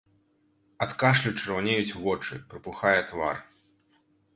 Ад кашлю чырванеюць вочы, прыпухае твар.